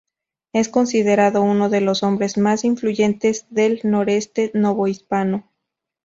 Es considerado uno de los hombres más influyentes del noreste novohispano.